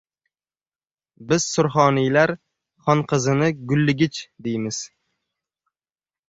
Biz surxonilar xonqizini gulligich deymiz.